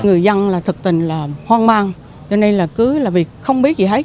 người dân là thực tình là hoang mang cho nên là cứ là việc không biết gì hết